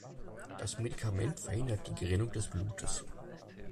Das Medikament verhindert die Gerinnung des Blutes.